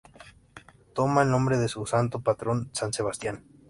Toma el nombre de su santo patrón, San Sebastián.